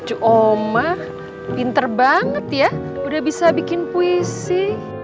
cucu oma pinter banget ya udah bisa bikin puisi